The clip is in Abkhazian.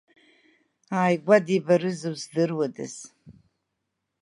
Ааигәа дибарызу здыруадаз.